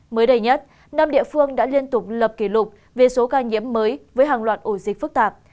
mới đây nhất năm địa phương đã liên tục lập kỷ lục về số ca nhiễm mới với hàng loạt ổ dịch phức tạp